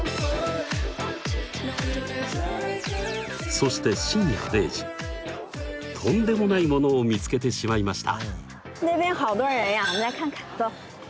そして深夜０時とんでもないものを見つけてしまいました！